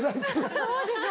そうですよ